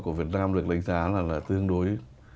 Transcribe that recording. của việt nam được đánh giá là tương đối